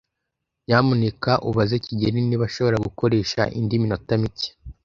Nyamuneka ubaze kigeli niba ashobora gukoresha indi minota mike.